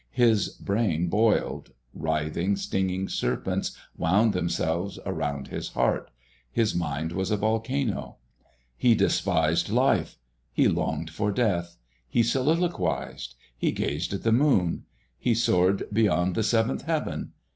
His brain boiled; writhing, stinging serpents wound themselves around his heart; his mind was a volcano; he despised life; he longed for death; he soliloquized; he gazed at the moon; he soared beyond the seventh heaven.